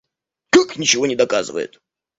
Как ничего не доказывает?